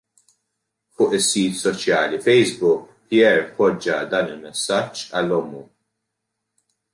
Fuq is-sit soċjali Facebook Pierre poġġa dan il-messaġġ għal ommu.